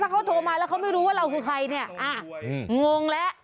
เขาโทรมาแล้วเขาไม่รู้ว่าเราคือใครเนี่ยงงแล้ว